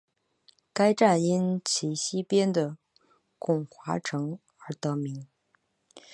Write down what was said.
该站因其西边的巩华城而得名。